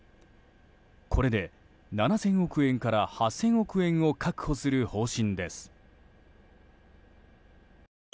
これで７０００億円から８０００億円を確保する方針です。